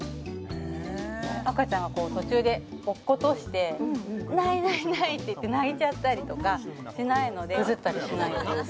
赤ちゃんが途中で落っことして「ないないない」っていって泣いちゃったりとかしないのでへえそうなんですよだから